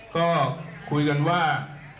ก็คุยกันว่า